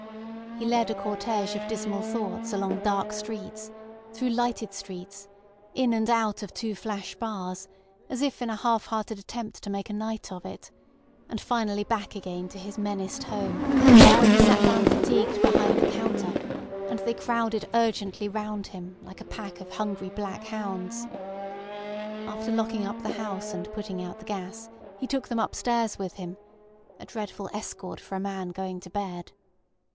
He led a cortege of dismal thoughts along dark streets, through lighted streets, in and out of two flash bars, as if in a half hearted attempt to make a night of it, and finally back again to his menaced home, where he sat down fatigued behind the counter, and they crowded urgently round him, like a pack of hungry black hounds. After locking up the house and putting out the gas he took them upstairs with him—a dreadful escort for a man going to bed.